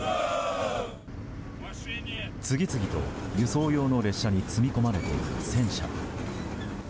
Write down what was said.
次々と輸送用の列車に積み込まれていく戦車。